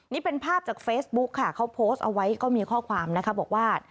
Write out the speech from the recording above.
นี่เป็นภาพจากเฟซบุ๊คค่ะเขาโพสต์เอาไว้ก็มีข้อความนะคะบอกว่า